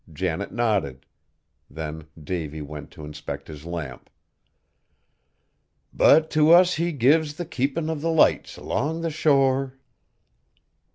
Janet nodded. Then Davy went to inspect his lamp. "But to us He gives the keepin' Of the lights along the shore!"